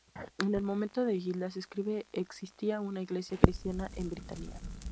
En el momento de Gildas escribe, existía una iglesia Cristiana en Britania.